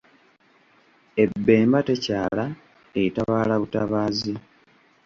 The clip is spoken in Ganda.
Ebemba tekyala, etabaala butabaazi.